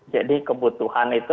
jadi kebutuhan itu